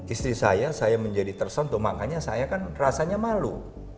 istri saya saya menjadi tersentuh makanya saya kan rasanya malu